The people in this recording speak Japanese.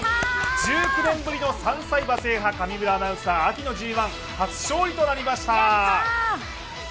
１９年ぶりの３歳馬制覇、上村アナウンサー秋のＧⅠ初勝利となりました。